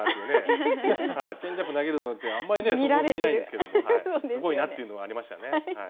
チェンジアップ投げるのってあんまりねそこ見ないんですけどもすごいなっていうのがありましたね。